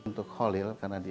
untuk halil karena dia di s lima